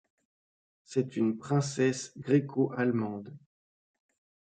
C'est une princesse gréco-allemande.